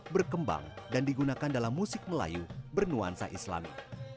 berkembang dan digunakan dalam musik melayu bernuansa islami